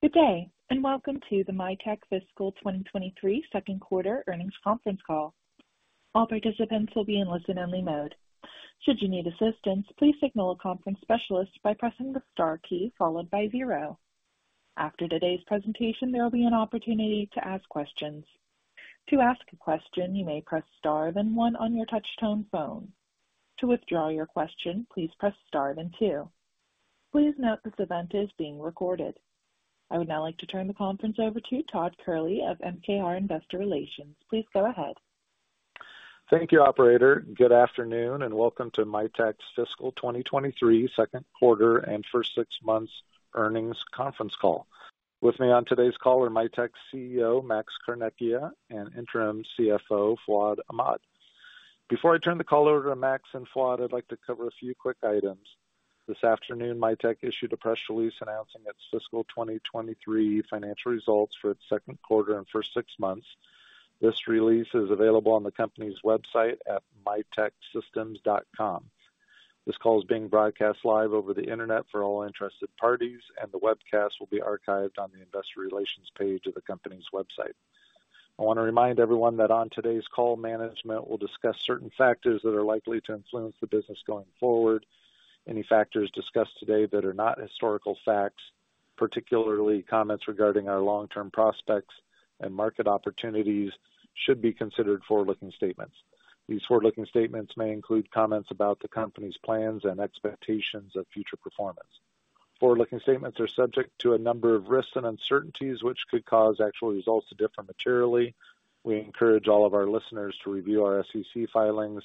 Good day, and welcome to the Mitek Fiscal 2023 Second Quarter Earnings Conference Call. All participants will be in listen-only mode. Should you need assistance, please signal a conference specialist by pressing the star key followed by zero. After today's presentation, there will be an opportunity to ask questions. To ask a question, you may press Star, then one on your touchtone phone. To withdraw your question, please press Star, then two. Please note this event is being recorded. I would now like to turn the conference over to Todd Kehrli of MKR Investor Relations. Please go ahead. Thank you, operator. Good afternoon, and welcome to Mitek's Fiscal 2023 Second Quarter and First Six Months Earnings Conference Call. With me on today's call are Mitek's CEO, Max Carnecchia, and Interim CFO, Fuad Ahmad. Before I turn the call over to Max and Fuad, I'd like to cover a few quick items. This afternoon, Mitek issued a press release announcing its fiscal 2023 financial results for its second quarter and first six months. This release is available on the company's website at miteksystems.com. This call is being broadcast live over the Internet for all interested parties, and the webcast will be archived on the investor relations page of the company's website. I want to remind everyone that on today's call, management will discuss certain factors that are likely to influence the business going forward. Any factors discussed today that are not historical facts, particularly comments regarding our long-term prospects and market opportunities, should be considered forward-looking statements. These forward-looking statements may include comments about the company's plans and expectations of future performance. Forward-looking statements are subject to a number of risks and uncertainties, which could cause actual results to differ materially. We encourage all of our listeners to review our SEC filings,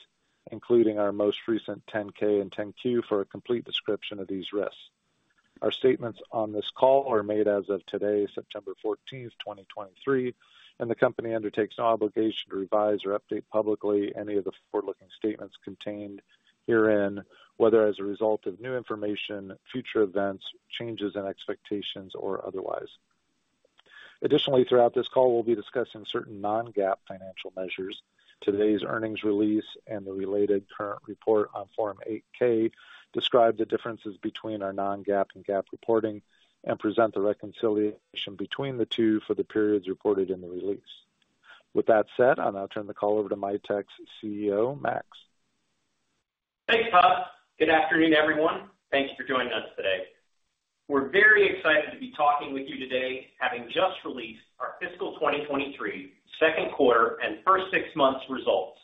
including our most recent 10-K and 10-Q, for a complete description of these risks. Our statements on this call are made as of today, September 14, 2023, and the company undertakes no obligation to revise or update publicly any of the forward-looking statements contained herein, whether as a result of new information, future events, changes in expectations, or otherwise. Additionally, throughout this call, we'll be discussing certain non-GAAP financial measures. Today's earnings release and the related current report on Form 8-K describe the differences between our non-GAAP and GAAP reporting and present the reconciliation between the two for the periods reported in the release. With that said, I'll now turn the call over to Mitek's CEO, Max. Thanks, Todd. Good afternoon, everyone. Thanks for joining us today. We're very excited to be talking with you today, having just released our fiscal 2023 second quarter and first six months results.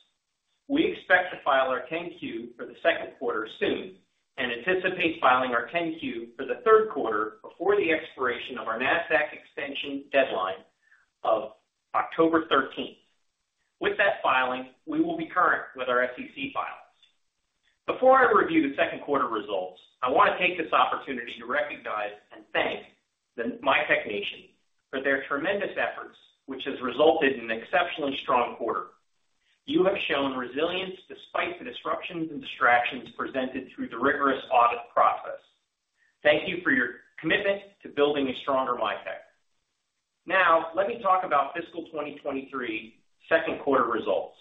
We expect to file our 10-Q for the second quarter soon and anticipate filing our 10-Q for the third quarter before the expiration of our NASDAQ extension deadline of October 13. With that filing, we will be current with our SEC filings. Before I review the second quarter results, I want to take this opportunity to recognize and thank the Mitek Nation for their tremendous efforts, which has resulted in an exceptionally strong quarter. You have shown resilience despite the disruptions and distractions presented through the rigorous audit process. Thank you for your commitment to building a stronger Mitek. Now, let me talk about fiscal 2023 second quarter results.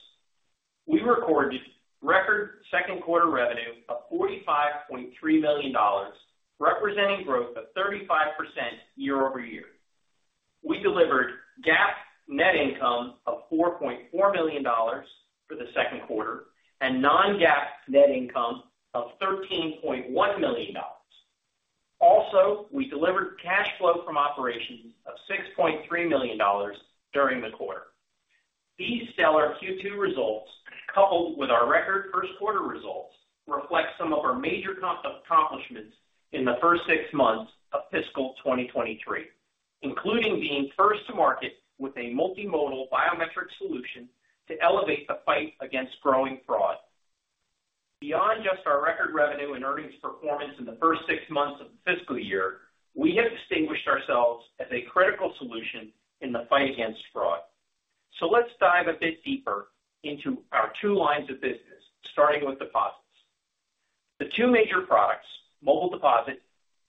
We recorded record second quarter revenue of $45.3 million, representing growth of 35% year-over-year. We delivered GAAP net income of $4.4 million for the second quarter and non-GAAP net income of $13.1 million. Also, we delivered cash flow from operations of $6.3 million during the quarter. These stellar Q2 results, coupled with our record first quarter results, reflect some of our major accomplishments in the first six months of fiscal 2023, including being first to market with a multimodal biometric solution to elevate the fight against growing fraud. Beyond just our record revenue and earnings performance in the first six months of the fiscal year, we have distinguished ourselves as a critical solution in the fight against fraud. So let's dive a bit deeper into our two lines of business, starting with deposits. The two major products, Mobile Deposit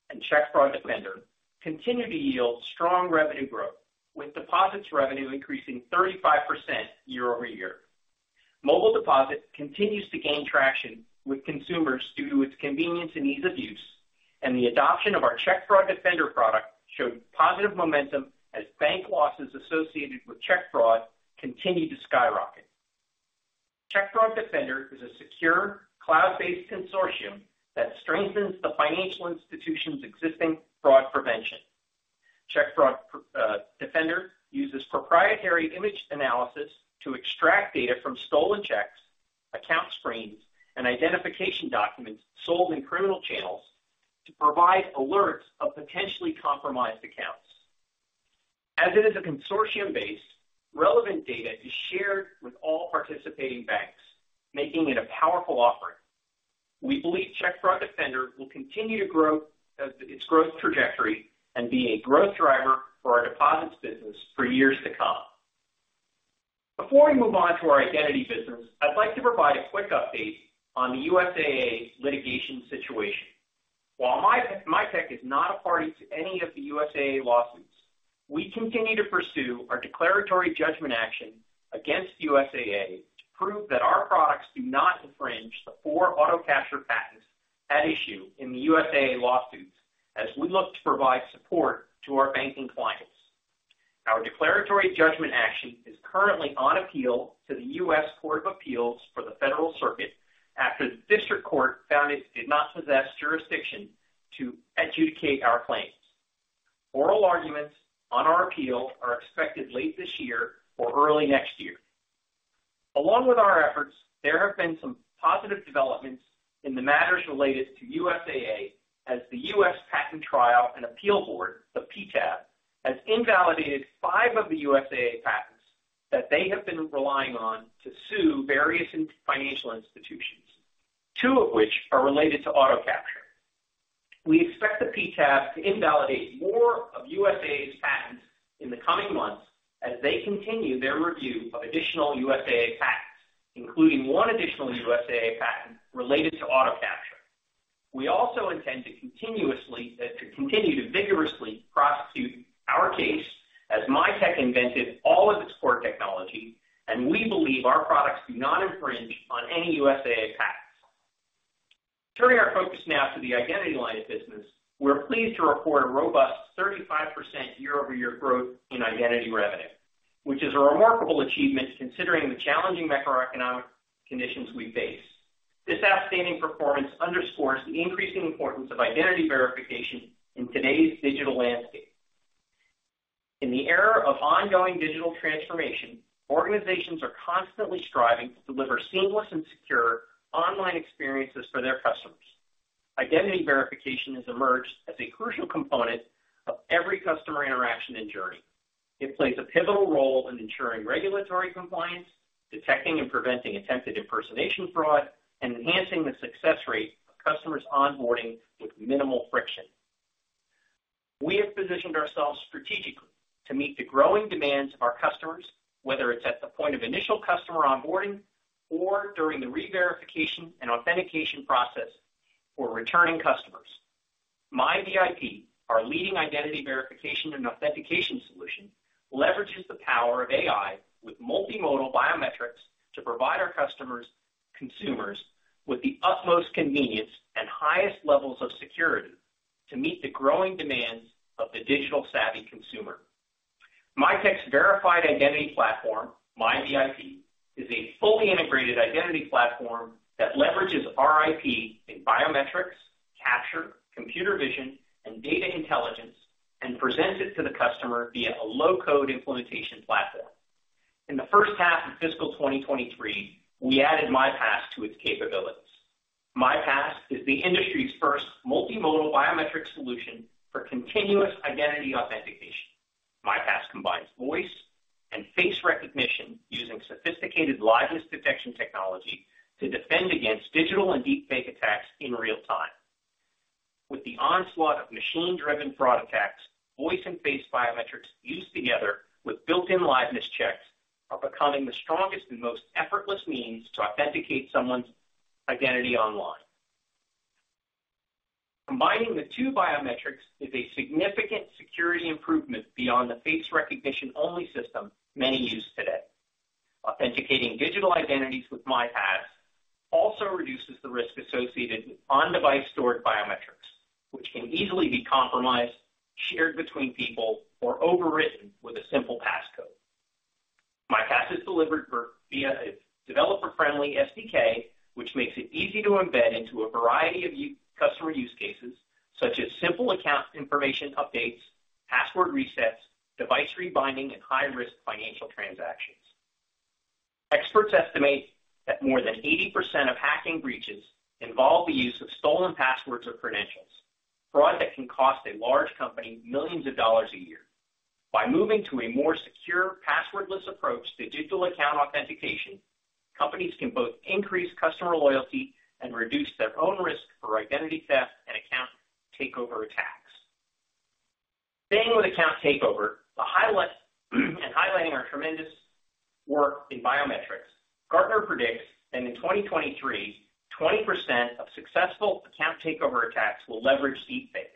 and Check Fraud Defender, continue to yield strong revenue growth, with deposits revenue increasing 35% year-over-year. Mobile Deposit continues to gain traction with consumers due to its convenience and ease of use, and the adoption of our Check Fraud Defender product showed positive momentum as bank losses associated with check fraud continued to skyrocket. Check Fraud Defender is a secure, cloud-based consortium that strengthens the financial institution's existing fraud prevention. Check Fraud Defender uses proprietary image analysis to extract data from stolen checks, account screens, and identification documents sold in criminal channels to provide alerts of potentially compromised accounts. As it is a consortium base, relevant data is shared with all participating banks, making it a powerful offering. We believe Check Fraud Defender will continue to grow its growth trajectory and be a growth driver for our deposits business for years to come. Before we move on to our identity business, I'd like to provide a quick update on the USAA litigation situation. While Mitek, Mitek is not a party to any of the USAA lawsuits. We continue to pursue our declaratory judgment action against USAA to prove that our products do not infringe the four auto capture patents at issue in the USAA lawsuits as we look to provide support to our banking clients. Our declaratory judgment action is currently on appeal to the US Court of Appeals for the Federal Circuit after the district court found it did not possess jurisdiction to adjudicate our claims. Oral arguments on our appeal are expected late this year or early next year. Along with our efforts, there have been some positive developments in the matters related to USAA as the U.S. Patent Trial and Appeal Board, the PTAB, has invalidated five of the USAA patents that they have been relying on to sue various financial institutions, two of which are related to auto capture. We expect the PTAB to invalidate more of USAA's patents in the coming months as they continue their review of additional USAA patents, including one additional USAA patent related to auto capture. We also intend to continuously, to continue to vigorously prosecute our case as Mitek invented all of its core technology, and we believe our products do not infringe on any USAA patents. Turning our focus now to the identity line of business, we're pleased to report a robust 35% year-over-year growth in identity revenue, which is a remarkable achievement considering the challenging macroeconomic conditions we face. This outstanding performance underscores the increasing importance of identity verification in today's digital landscape. In the era of ongoing digital transformation, organizations are constantly striving to deliver seamless and secure online experiences for their customers. Identity verification has emerged as a crucial component of every customer interaction and journey. It plays a pivotal role in ensuring regulatory compliance, detecting and preventing attempted impersonation fraud, and enhancing the success rate of customers onboarding with minimal friction. We have positioned ourselves strategically to meet the growing demands of our customers, whether it's at the point of initial customer onboarding or during the reverification and authentication process for returning customers. MiVIP, our leading identity verification and authentication solution, leverages the power of AI with multimodal biometrics to provide our customers, consumers with the utmost convenience and highest levels of security to meet the growing demands of the digital-savvy consumer. Mitek's verified identity platform, MiVIP, is a fully integrated identity platform that leverages our IP in biometrics, capture, computer vision, and data intelligence, and presents it to the customer via a low-code implementation platform. In the first half of fiscal 2023, we added MiPASS to its capabilities. MiPASS is the industry's first multimodal biometric solution for continuous identity authentication. MiPASS combines voice and face recognition using sophisticated liveness detection technology to defend against digital and deepfake attacks in real time. With the onslaught of machine-driven fraud attacks, voice and face biometrics used together with built-in liveness checks are becoming the strongest and most effortless means to authenticate someone's identity online. Combining the two biometrics is a significant security improvement beyond the face recognition-only system many use today. Authenticating digital identities with MiPASS also reduces the risk associated with on-device stored biometrics, which can easily be compromised, shared between people, or overwritten with a simple passcode. MiPASS is delivered for via a developer-friendly SDK, which makes it easy to embed into a variety of customer use cases, such as simple account information updates, password resets, device rebinding, and high-risk financial transactions. Experts estimate that more than 80% of hacking breaches involve the use of stolen passwords or credentials. Fraud that can cost a large company millions of dollars a year. By moving to a more secure, passwordless approach to digital account authentication, companies can both increase customer loyalty and reduce their own risk for identity theft and account takeover attacks. Staying with account takeover, the highlighting our tremendous work in biometrics, Gartner predicts that in 2023, 20% of successful account takeover attacks will leverage deepfakes.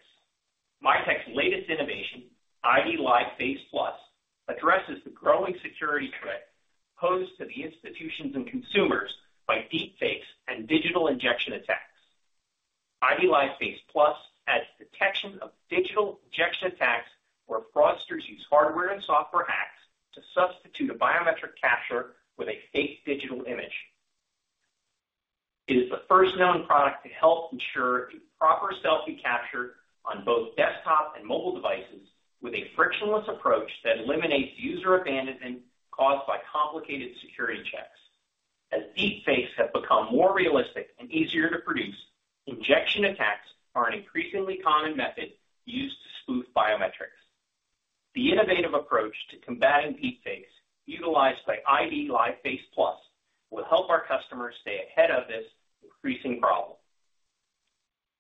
Mitek's latest IDLive® Face Plus, addresses the growing security threat posed to the institutions and consumers by deepfakes and digital injection attacks. IDLive® Face Plus adds detection of digital injection attacks, where fraudsters use hardware and software hacks to substitute a biometric capture with a fake digital image. It is the first known product to help ensure a proper selfie capture on both desktop and mobile devices, with a frictionless approach that eliminates user abandonment caused by complicated security checks. As deepfakes have become more realistic and easier to produce, injection attacks are an increasingly common method used to spoof biometrics. The innovative approach to combating deepfakes utilized by IDLive® Face Plus will help our customers stay ahead of this increasing problem.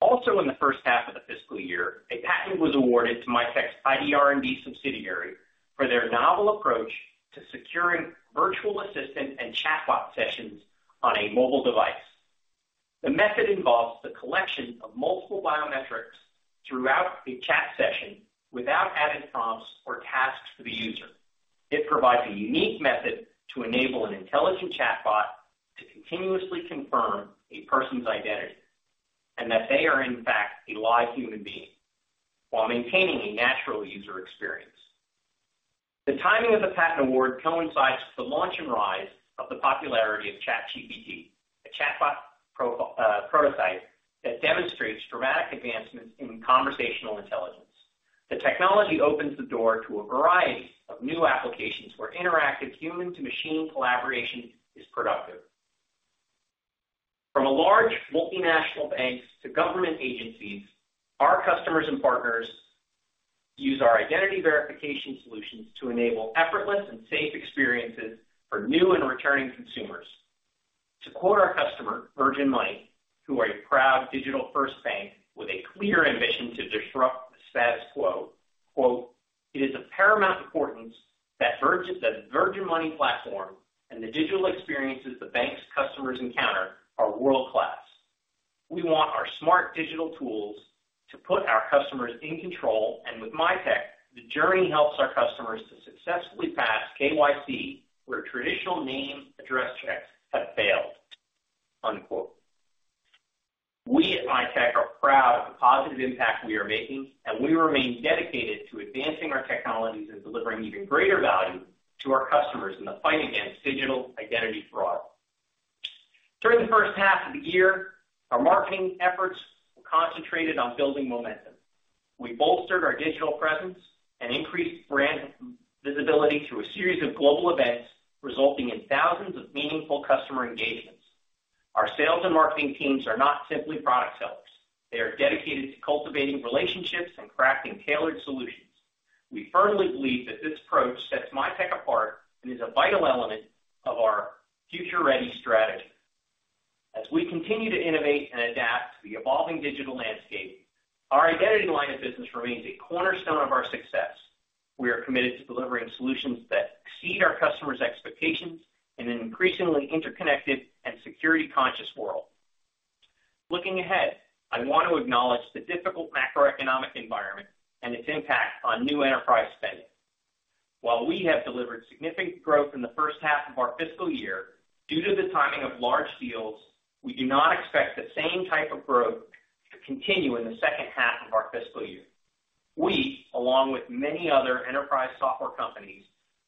Also, in the first half of the fiscal year, a patent was awarded to Mitek's ID R&D subsidiary for their novel approach to securing virtual assistant and chatbot sessions on a mobile device. The method involves the collection of multiple biometrics throughout a chat session without adding prompts or tasks to the user. It provides a unique method to enable an intelligent chatbot to continuously confirm a person's identity, and that they are in fact a live human being, while maintaining a natural user experience. The timing of the patent award coincides with the launch and rise of the popularity of ChatGPT, a chatbot prototype that demonstrates dramatic advancements in conversational intelligence. The technology opens the door to a variety of new applications where interactive human to machine collaboration is productive. From large multinational banks to government agencies, our customers and partners use our identity verification solutions to enable effortless and safe experiences for new and returning consumers. To quote our customer, Virgin Money, who are a proud digital first bank with a clear ambition to disrupt the status quo, quote, "It is of paramount importance that Virgin, the Virgin Money platform and the digital experiences the bank's customers encounter are world-class. We want our smart digital tools to put our customers in control, and with Mitek, the journey helps our customers to successfully pass KYC, where traditional name address checks have failed." Unquote. We at Mitek are proud of the positive impact we are making, and we remain dedicated to advancing our technologies and delivering even greater value to our customers in the fight against digital identity fraud. During the first half of the year, our marketing efforts were concentrated on building momentum. We bolstered our digital presence and increased brand visibility through a series of global events, resulting in thousands of meaningful customer engagements. Our sales and marketing teams are not simply product sellers. They are dedicated to cultivating relationships and crafting tailored solutions. We firmly believe that this approach sets Mitek apart and is a vital element of our future-ready strategy. As we continue to innovate and adapt to the evolving digital landscape, our identity line of business remains a cornerstone of our success. We are committed to delivering solutions that exceed our customers' expectations in an increasingly interconnected and security-conscious world. Looking ahead, I want to acknowledge the difficult macroeconomic environment and its impact on new enterprise spending. While we have delivered significant growth in the first half of our fiscal year, due to the timing of large deals, we do not expect the same type of growth to continue in the second half of our fiscal year. We, along with many other enterprise software companies,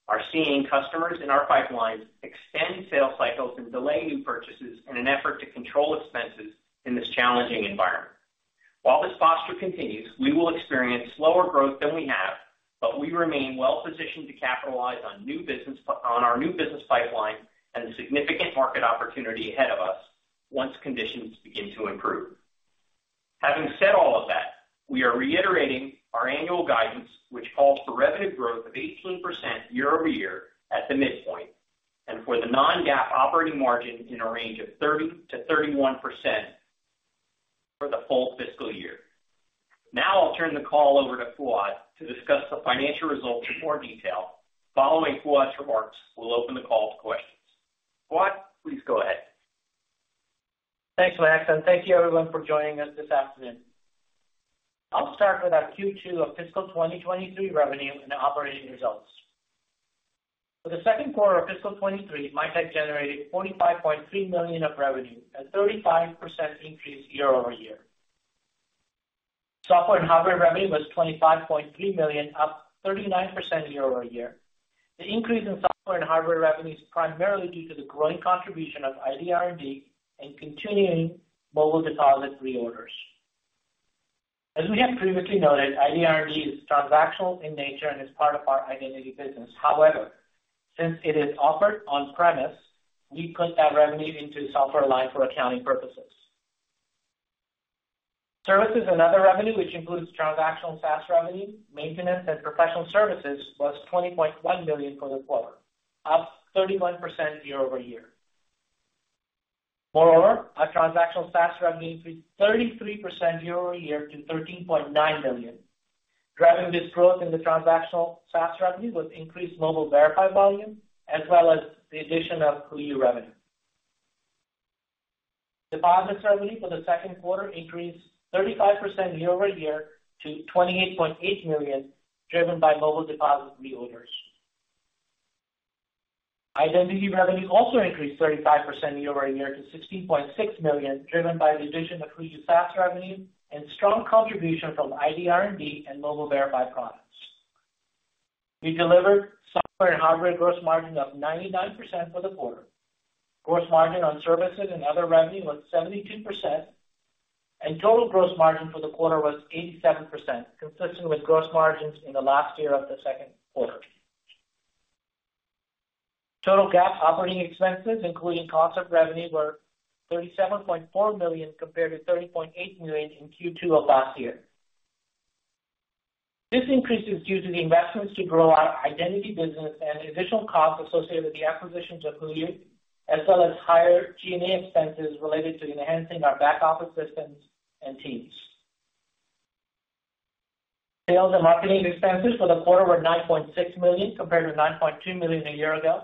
are seeing customers in our pipelines extend sales cycles and delay new purchases in an effort to control expenses in this challenging environment. While this posture continues, we will experience slower growth than we have, but we remain well positioned to capitalize on our new business pipeline and the significant market opportunity ahead of us once conditions begin to improve. Having said all of that, we are reiterating our annual guidance, which calls for revenue growth of 18% year-over-year at the midpoint, and for the non-GAAP operating margin in a range of 30%-31% for the full fiscal year. Now I'll turn the call over to Fuad to discuss the financial results in more detail. Following Fuad's remarks, we'll open the call to questions. Fuad, please go ahead. Thanks, Max, and thank you everyone for joining us this afternoon. I'll start with our Q2 of fiscal 2023 revenue and operating results. For the second quarter of fiscal 2023, Mitek generated $45.3 million of revenue, a 35% increase year-over-year. Software and hardware revenue was $25.3 million, up 39% year-over-year. The increase in software and hardware revenue is primarily due to the growing contribution of ID R&D and continuing Mobile Deposit reorders. As we have previously noted, ID R&D is transactional in nature and is part of our identity business. However, since it is offered on-premise, we put that revenue into the software line for accounting purposes. Services and other revenue, which includes transactional SaaS revenue, maintenance and professional services, was $20.1 million for the quarter, up 31% year-over-year. Moreover, our transactional SaaS revenue increased 33% year-over-year to 13.9 million. Driving this growth in the transactional SaaS revenue was increased Mobile Verify volume, as well as the addition of HooYu revenue. Deposits revenue for the second quarter increased 35% year-over-year to $28.8 million, driven Mobile Deposit reorders. Identity revenue also increased 35% year-over-year to $16.6 million, driven by the addition of HooYu SaaS revenue and strong contribution from ID R&D and Mobile Verify products. We delivered software and hardware gross margin of 99% for the quarter. Gross margin on services and other revenue was 72%, and total gross margin for the quarter was 87%, consistent with gross margins in the last year of the second quarter. Total GAAP operating expenses, including cost of revenue, were $37.4 million compared to 30.8 million in Q2 of last year. This increase is due to the investments to grow our identity business and the additional costs associated with the acquisitions of HooYu, as well as higher G&A expenses related to enhancing our back office systems and teams. Sales and marketing expenses for the quarter were $9.6 million, compared to $9.2 million a year ago.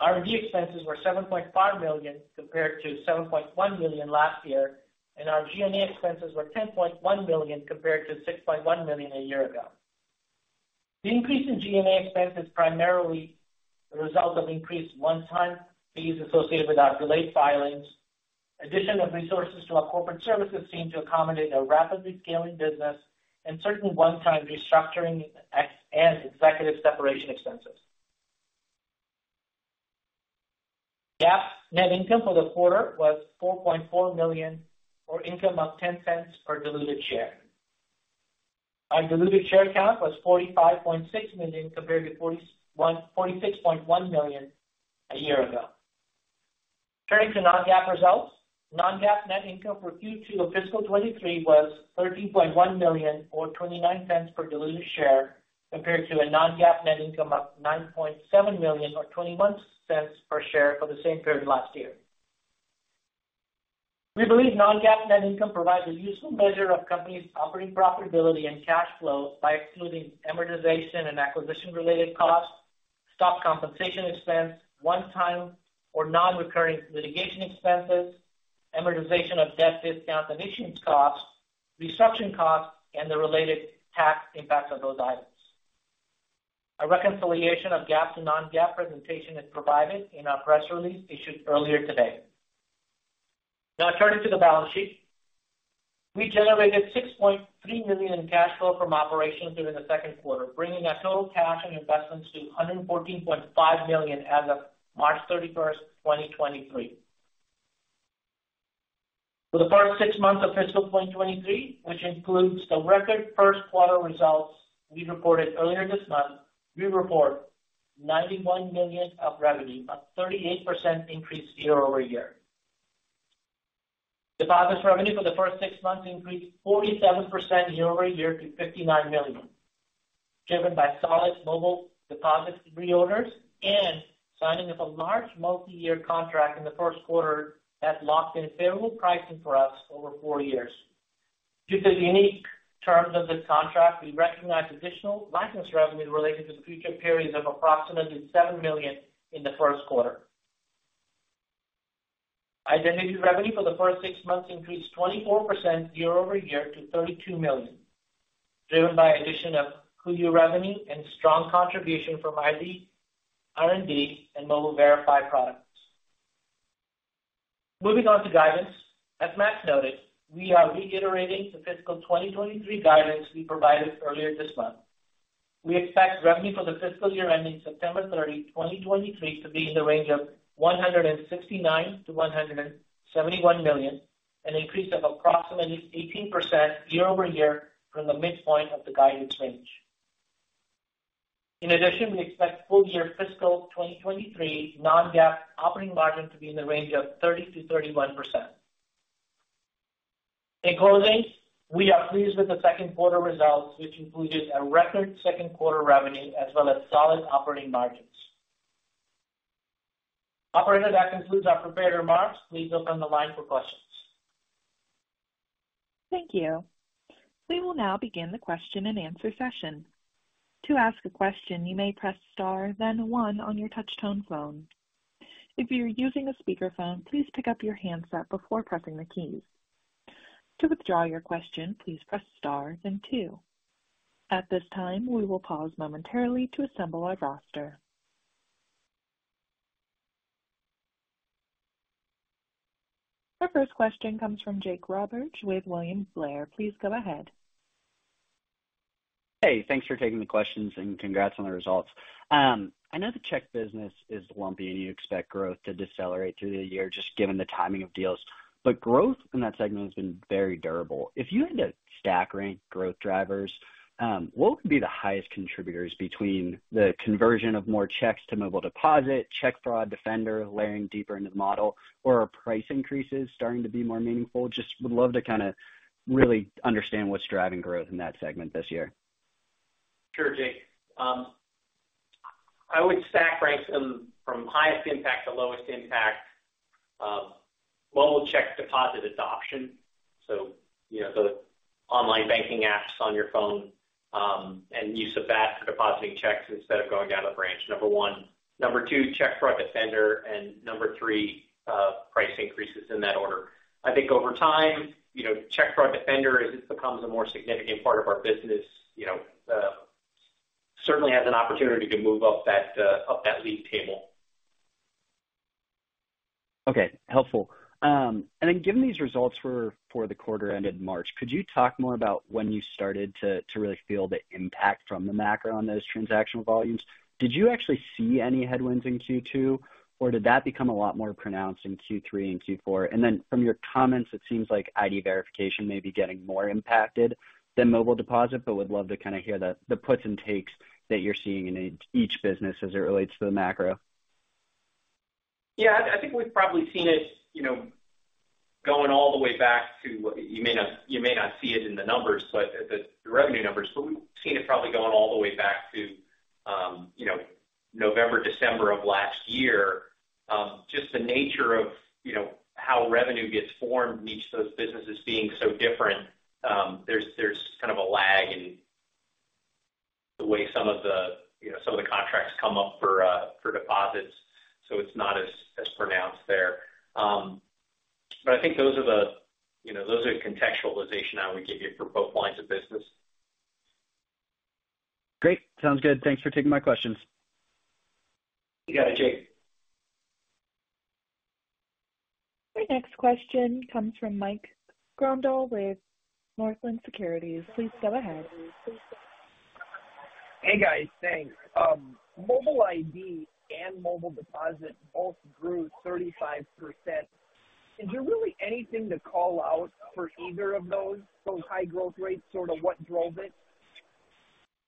R&D expenses were $7.5 million, compared to 7.1 million last year, and our G&A expenses were $10.1 million, compared to 6.1 million a year ago. The increase in G&A expenses, primarily the result of increased one-time fees associated with our delayed filings, addition of resources to our corporate services team to accommodate a rapidly scaling business, and certain one-time restructuring and executive separation expenses. GAAP net income for the quarter was $4.4 million, or 0.10 per diluted share. Our diluted share count was 45.6 million, compared to 46.1 million a year ago. Turning to non-GAAP results. Non-GAAP net income for Q2 of fiscal 2023 was $13.1 million, or 0.29 per diluted share, compared to a non-GAAP net income of $9.7 million or 0.21 per share for the same period last year. We believe non-GAAP net income provides a useful measure of company's operating profitability and cash flow by excluding amortization and acquisition-related costs, stock compensation expense, one-time or non-recurring litigation expenses, amortization of debt discount and issuance costs, restructuring costs, and the related tax impacts of those items. A reconciliation of GAAP to non-GAAP presentation is provided in our press release issued earlier today. Now turning to the balance sheet. We generated $6.3 million in cash flow from operations during the second quarter, bringing our total cash and investments to $114.5 million as of March 31st, 2023. For the first six months of fiscal 2023, which includes the record first quarter results we reported earlier this month, we report $91 million of revenue, a 38% increase year-over-year. Deposits revenue for the first six months increased 47% year-over-year to $59 million, driven by solid Mobile Deposit reorders and signing of a large multiyear contract in the first quarter that locked in favorable pricing for us over four years. Due to the unique terms of this contract, we recognized additional license revenue related to the future periods of approximately $7 million in the first quarter. Identity revenue for the first six months increased 24% year-over-year to $32 million, driven by addition of HooYu revenue and strong contribution from ID R&D and Mobile Verify products. Moving on to guidance. As Max noted, we are reiterating the fiscal 2023 guidance we provided earlier this month. We expect revenue for the fiscal year ending September 30, 2023, to be in the range of $169 million-171 million, an increase of approximately 18% year-over-year from the midpoint of the guidance range. In addition, we expect full year fiscal 2023 non-GAAP operating margin to be in the range of 30%-31%. In closing, we are pleased with the second quarter results, which includes a record second quarter revenue as well as solid operating margins. Operator, that concludes our prepared remarks. Please open the line for questions. Thank you. We will now begin the question-and-answer session. To ask a question, you may press star, then one on your touchtone phone. If you're using a speakerphone, please pick up your handset before pressing the keys. To withdraw your question, please press star then two. At this time, we will pause momentarily to assemble our roster. Our first question comes from Jake Roberge with William Blair. Please go ahead. Hey, thanks for taking the questions and congrats on the results. I know the check business is lumpy, and you expect growth to decelerate through the year, just given the timing of deals. But growth in that segment has been very durable. If you had to stack rank growth drivers, what would be the highest contributors between the conversion of more checks to Mobile Deposit, Check Fraud Defender, layering deeper into the model, or are price increases starting to be more meaningful? Just would love to kinda really understand what's driving growth in that segment this year. Sure, Jake. I would stack rank them from highest impact to lowest impact, mobile check deposit adoption. So you know, the online banking apps on your phone, and use of that for depositing checks instead of going down a branch, number 1. Number 2, Check Fraud Defender. And number 3, price increases in that order. I think over time, you know, Check Fraud Defender, as it becomes a more significant part of our business, you know, certainly has an opportunity to move up that, up that lead table. Okay, helpful. And then given these results for the quarter ended in March, could you talk more about when you started to really feel the impact from the macro on those transactional volumes? Did you actually see any headwinds in Q2, or did that become a lot more pronounced in Q3 and Q4? And then from your comments, it seems like ID verification may be getting more impacted than Mobile Deposit, but would love to kinda hear the puts and takes that you're seeing in each business as it relates to the macro. Yeah, I think we've probably seen it, you know, going all the way back to- you may not see it in the numbers, but the revenue numbers, but we've seen it probably going all the way back to, you know, November, December of last year, just the nature of, you know, how revenue gets formed in each of those businesses being so different, there's, there's kind of a lag in the way some of the, you know, some of the contracts come up for, for deposits, so it's not as, as pronounced there. But I think those are the, you know, those are contextualization I would give you for both lines of business. Great. Sounds good. Thanks for taking my questions. You got it, Jake. Our next question comes from Mike Grondahl with Northland Securities. Please go ahead. Hey, guys. Thanks. Mobile ID and Mobile Deposit both grew 35%. Is there really anything to call out for either of those high growth rates, sort of what drove it?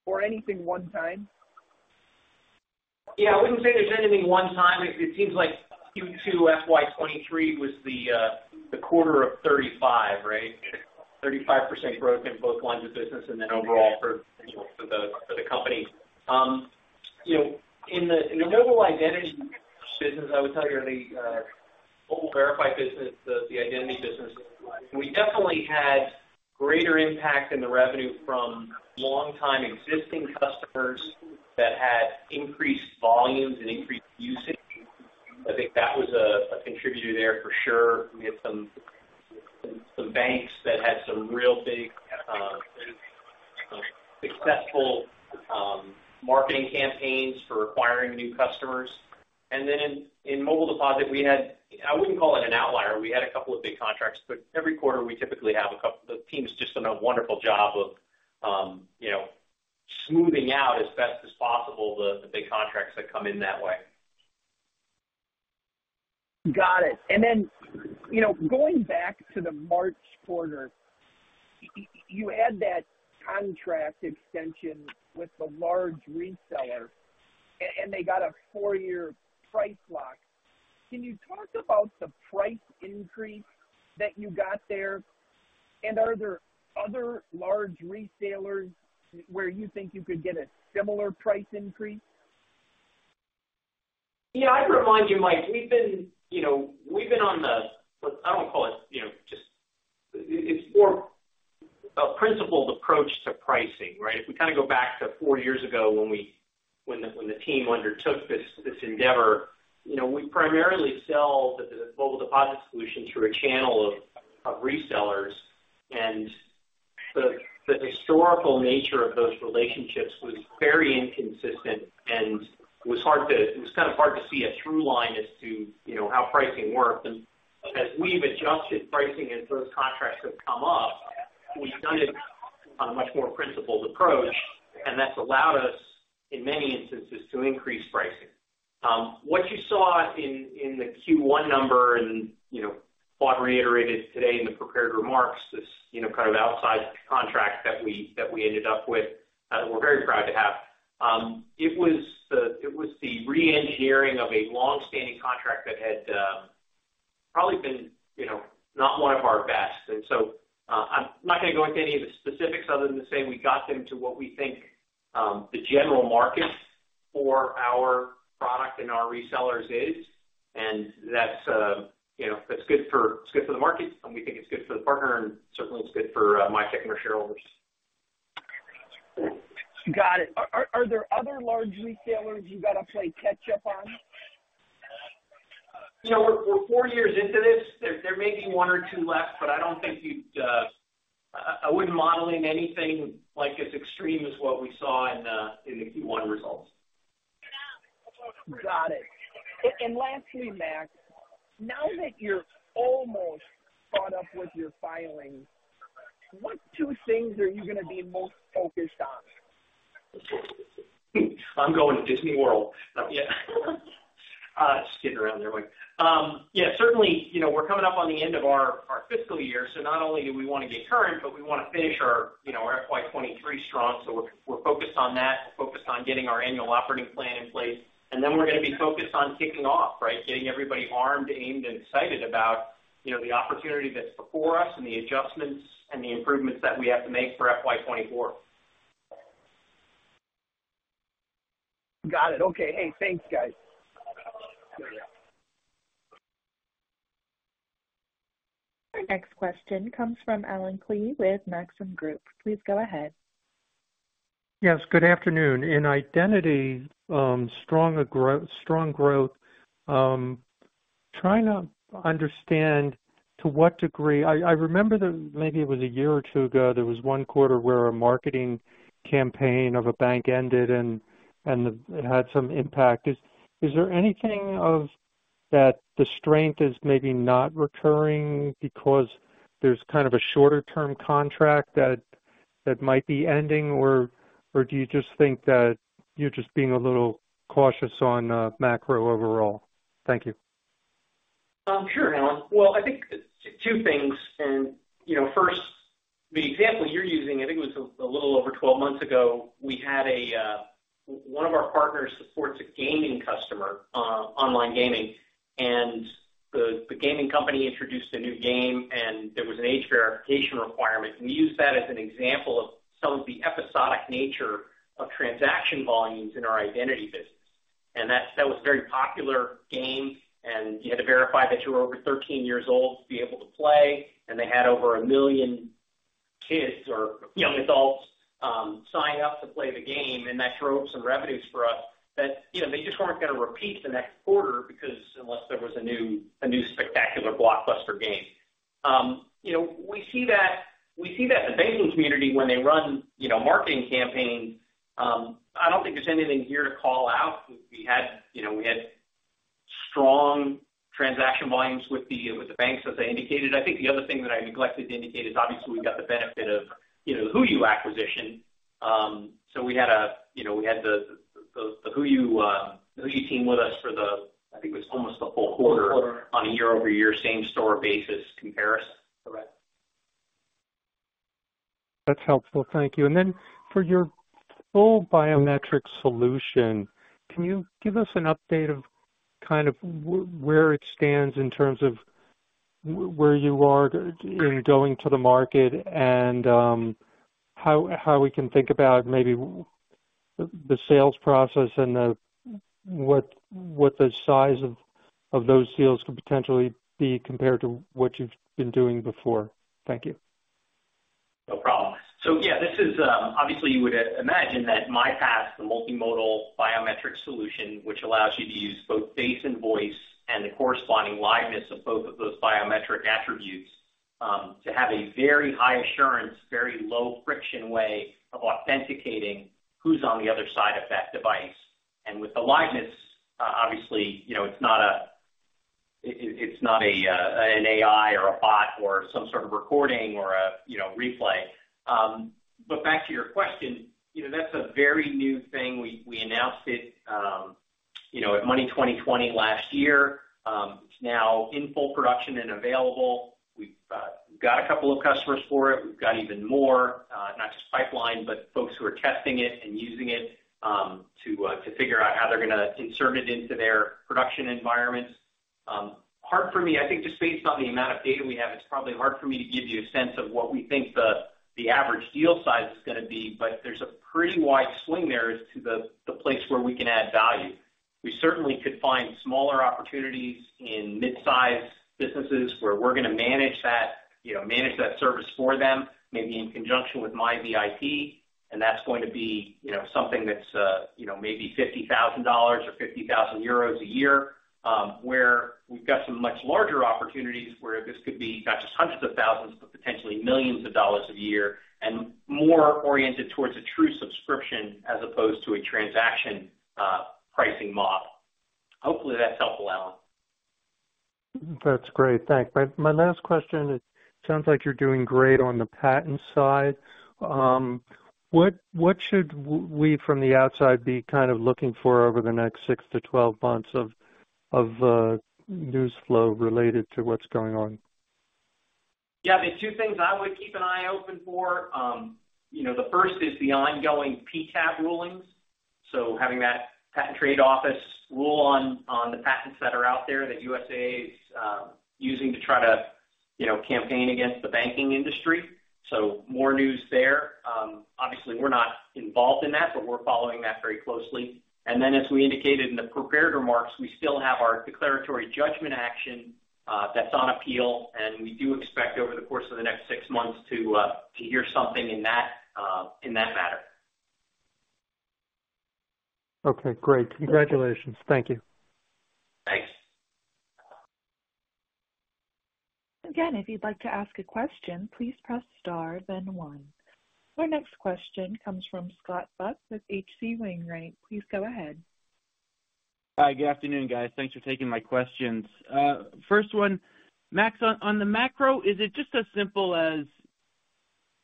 Or anything one time? Yeah, I wouldn't say there's anything one time. It seems like Q2 FY 2023 was the quarter of 35, right? 35% growth in both lines of business and then overall for the company. You know, in the mobile identity business, I would tell you in the Mobile Verify business, the identity business, we definitely had greater impact in the revenue from long-time existing customers that had increased volumes and increased usage. I think that was a contributor there for sure. We had some banks that had some real big successful marketing campaigns for acquiring new customers. And then in Mobile Deposit, we had. I wouldn't call it an outlier. We had a couple of big contracts, but every quarter, we typically have a couple. The team's just done a wonderful job of, you know, smoothing out as best as possible the big contracts that come in that way. Got it. And then, you know, going back to the March quarter, you had that contract extension with the large reseller, and they got a four-year price lock. Can you talk about the price increase that you got there? And are there other large retailers where you think you could get a similar price increase? Yeah, I'd remind you, Mike, we've been, you know, we've been on the, I don't call it, you know, just, it's more a principled approach to pricing, right? If we kinda go back to four years ago when we, when the, when the team undertook this, this endeavor, you know, we primarily sell the Mobile Deposit solution through a channel of resellers. And the historical nature of those relationships was very inconsistent and it was hard to, it was kind of hard to see a through line as to, you know, how pricing worked. And as we've adjusted pricing as those contracts have come up, we've done it on a much more principled approach, and that's allowed us, in many instances, to increase pricing. What you saw in the Q1 number and, you know, Fuad reiterated today in the prepared remarks this, you know, kind of outsized contract that we ended up with, we're very proud to have. It was the reengineering of a long-standing contract that had probably been, you know, not one of our best. And so, I'm not gonna go into any of the specifics other than to say we got them to what we think the general market for our product and our resellers is, and that's, you know, that's good for, it's good for the market, and we think it's good for the partner, and certainly it's good for Mitek and our shareholders. Got it. Are there other large retailers you gotta play catch up on? You know, we're four years into this. There may be one or two left, but I don't think you'd, I wouldn't model in anything like as extreme as what we saw in the Q1 results. Got it. And lastly, Max, now that you're almost caught up with your filings, what two things are you gonna be most focused on? I'm going to Disney World. No, yeah. Just kidding around there, Mike. Yeah, certainly, you know, we're coming up on the end of our, our fiscal year, so not only do we wanna get current, but we wanna finish our, you know, our FY 2023 strong. So we're, we're focused on that. We're focused on getting our annual operating plan in place, and then we're gonna be focused on kicking off, right? Getting everybody armed, aimed, and excited about, you know, the opportunity that's before us and the adjustments and the improvements that we have to make for FY 2024. Got it. Okay. Hey, thanks, guys. Our next question comes from Allen Klee with Maxim Group. Please go ahead. Yes, good afternoon. In identity, strong growth, trying to understand to what degree. I remember that maybe it was a year or two ago, there was one quarter where a marketing campaign of a bank ended and it had some impact. Is there anything of that the strength is maybe not recurring because there's kind of a shorter term contract that might be ending? Or do you just think that you're just being a little cautious on macro overall? Thank you. Sure, Alan. Well, I think two things, and, you know, first, the example you're using, I think it was a little over 12 months ago, we had one of our partners supports a gaming customer, online gaming, and the gaming company introduced a new game, and there was an age verification requirement. We used that as an example of some of the episodic nature of transaction volumes in our identity business. And that was a very popular game, and you had to verify that you were over 13 years old to be able to play, and they had over 1 million kids or young adults sign up to play the game, and that drove some revenues for us that, you know, they just weren't going to repeat the next quarter because unless there was a new spectacular blockbuster game. You know, we see that, we see that the banking community, when they run, you know, marketing campaigns, I don't think there's anything here to call out. We had, you know, we had strong transaction volumes with the, with the banks, as I indicated. I think the other thing that I neglected to indicate is obviously we've got the benefit of, you know, the HooYu acquisition. So we had a, you know, we had the HooYu team with us for the I think it was almost the whole quarter on a year-over-year, same-store basis comparison. Correct. That's helpful. Thank you. And then for your full biometric solution, can you give us an update of kind of where it stands in terms of where you are in going to the market and, how we can think about maybe the sales process and the, what the size of those deals could potentially be compared to what you've been doing before? Thank you. No problem. So yeah, this is, obviously, you would imagine that MiPASS, the multimodal biometric solution, which allows you to use both face and voice and the corresponding liveness of both of those biometric attributes, to have a very high assurance, very low-friction way of authenticating who's on the other side of that device. And with the liveness, obviously, you know, it's not a, it's not an AI or a bot or some sort of recording or a, you know, replay. But back to your question, you know, that's a very new thing. We announced it, you know, at Money 2020 last year. It's now in full production and available. We've got a couple of customers for it. We've got even more, not just pipeline, but folks who are testing it and using it, to figure out how they're gonna insert it into their production environments. Hard for me, I think, just based on the amount of data we have, it's probably hard for me to give you a sense of what we think the, the average deal size is gonna be, but there's a pretty wide swing there as to the, the place where we can add value. We certainly could find smaller opportunities in mid-sized businesses where we're gonna manage that, you know, manage that service for them, maybe in conjunction with MiVIP, and that's going to be, you know, something that's, you know, maybe $50,000 or 50,000 euros a year. Where we've got some much larger opportunities, where this could be not just hundreds of thousands, but potentially millions of dollars a year, and more oriented towards a true subscription as opposed to a transaction pricing model. Hopefully, that's helpful, Alan. That's great. Thanks. My last question, it sounds like you're doing great on the patent side. What should we, from the outside, be kind of looking for over the next six-12 months of newsflow related to what's going on? Yeah, the two things I would keep an eye open for, you know, the first is the ongoing PTAB rulings. So having that Patent and Trademark Office rule on the patents that are out there, that USAA is using to try to, you know, campaign against the banking industry. So more news there. Obviously, we're not involved in that, but we're following that very closely. And then, as we indicated in the prepared remarks, we still have our declaratory judgment action, that's on appeal, and we do expect over the course of the next six months to hear something in that matter. Okay, great. Congratulations. Thank you. Thanks. Again, if you'd like to ask a question, please press star then one. Our next question comes from Scott Buck with HC Wainwright. Please go ahead. Hi, good afternoon, guys. Thanks for taking my questions. First one, Max, on the macro, is it just as simple as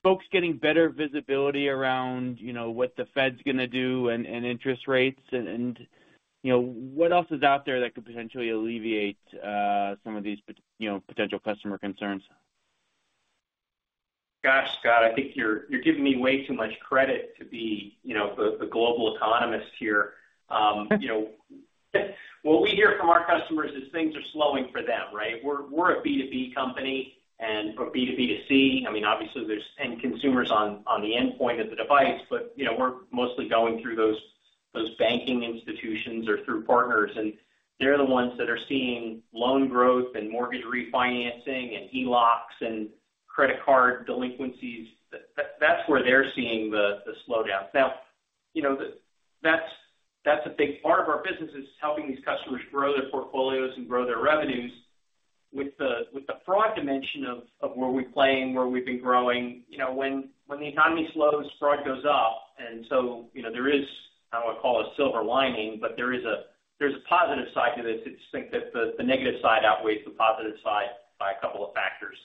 folks getting better visibility around, you know, what the Fed's gonna do and interest rates? And, you know, what else is out there that could potentially alleviate some of these potential customer concerns? Gosh, Scott, I think you're giving me way too much credit to be, you know, the global economist here. You know, what we hear from our customers is things are slowing for them, right? We're a B2B company and for B2B2C, I mean, obviously there's end consumers on the endpoint of the device, but, you know, we're mostly going through those banking institutions or through partners, and they're the ones that are seeing loan growth and mortgage refinancing, and HELOCs and credit card delinquencies. That's where they're seeing the slowdown. Now, you know, that's a big part of our business, is helping these customers grow their portfolios and grow their revenues with the fraud dimension of where we play and where we've been growing. You know, when the economy slows, fraud goes up, and so, you know, there is, I don't want to call it a silver lining, but there is a, there's a positive side to this. It's just that the negative side outweighs the positive side by a couple of factors.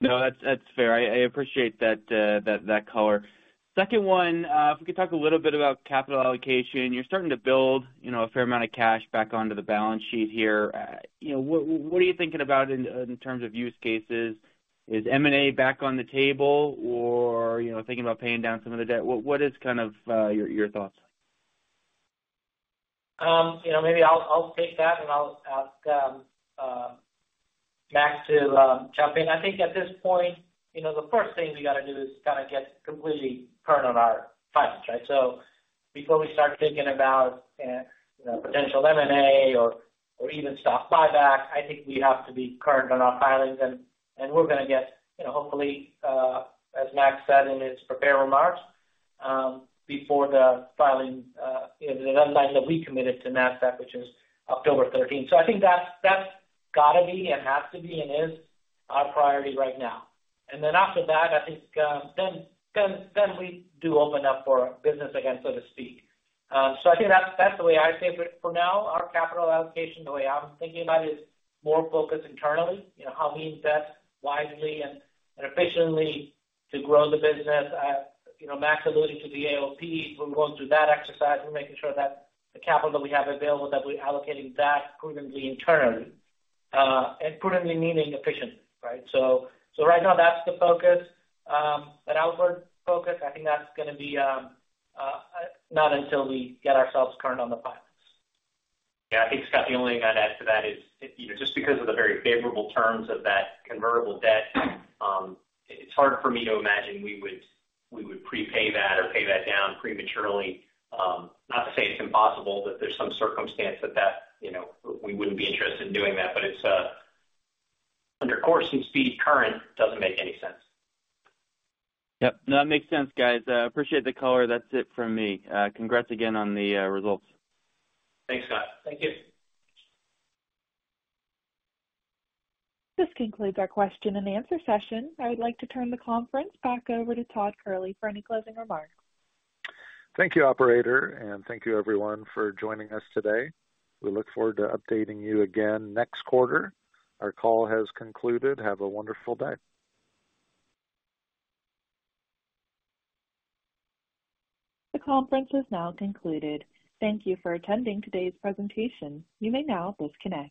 No, that's fair. I appreciate that color. Second one, if we could talk a little bit about capital allocation. You're starting to build, you know, a fair amount of cash back onto the balance sheet here. You know, what are you thinking about in terms of use cases? Is M&A back on the table or, you know, thinking about paying down some of the debt? What is kind of your thoughts? You know, maybe I'll, I'll take that, and I'll ask Max to jump in. I think at this point, you know, the first thing we gotta do is kind of get completely current on our filings, right? So before we start thinking about, you know, potential M&A or, or even stock buyback, I think we have to be current on our filings. And, and we're gonna get, you know, hopefully, as Max said in his prepared remarks, before the filing, you know, the deadline that we committed to NASDAQ, which is October 13. So I think that's, that's gotta be, and has to be, and is our priority right now. And then after that, I think, then, then, then we do open up for business again, so to speak. So I think that's, that's the way I see it. But for now, our capital allocation, the way I'm thinking about it, is more focused internally. You know, how we invest wisely and efficiently to grow the business. You know, Max alluded to the AOP. We're going through that exercise. We're making sure that the capital that we have available, that we're allocating that prudently internally, and prudently meaning efficiently, right? So right now, that's the focus. But outward focus, I think that's gonna be not until we get ourselves current on the filings. Yeah, I think, Scott, the only thing I'd add to that is, you know, just because of the very favorable terms of that convertible debt, it's hard for me to imagine we would prepay that or pay that down prematurely. Not to say it's impossible, that there's some circumstance that you know we wouldn't be interested in doing that, but it's under course and speed, current doesn't make any sense. Yep. No, that makes sense, guys. Appreciate the color. That's it from me. Congrats again on the results. Thanks, Scott. Thank you. This concludes our question and answer session. I would like to turn the conference back over to Todd Kehrli for any closing remarks. Thank you, operator, and thank you, everyone, for joining us today. We look forward to updating you again next quarter. Our call has concluded. Have a wonderful day. The conference is now concluded. Thank you for attending today's presentation. You may now disconnect.